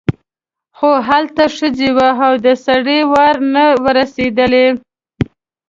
خو هلته ښځې وې او د سړي وار نه و رسېدلی.